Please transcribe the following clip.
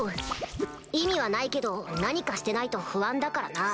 意味はないけど何かしてないと不安だからな。